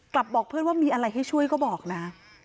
บอกเพื่อนว่ามีอะไรให้ช่วยก็บอกนะ